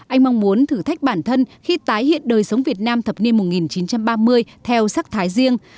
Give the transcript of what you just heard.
anh mong muốn thử thách bản thân khi tái hiện đời sống việt nam thập niên một nghìn chín trăm ba mươi theo sắc thái riêng